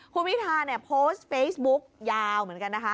คุณพิธาเนี่ยโพสต์เฟซบุ๊กยาวเหมือนกันนะคะ